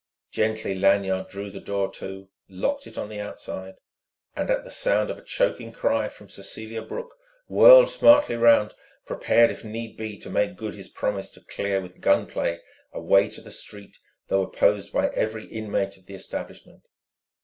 Gently Lanyard drew the door to, locked it on the outside, and at the sound of a choking cry from Cecelia Brooke, whirled smartly round, prepared if need be to make good his promise to clear with gun play a way to the street though opposed by every inmate of the establishment.